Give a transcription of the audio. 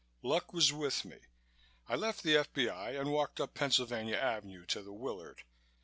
Luck was with me. I left the F.B.I. and walked up Pennsylvania Avenue to the Willard.